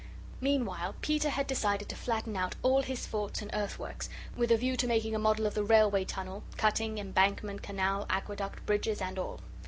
Meanwhile Peter had decided to flatten out all his forts and earthworks, with a view to making a model of the railway tunnel, cutting, embankment, canal, aqueduct, bridges, and all.